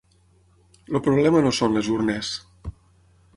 El problema no són les urnes.